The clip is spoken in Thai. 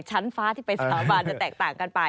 ชั้นฟ้าที่ไปสาบานจะแตกต่างกันไป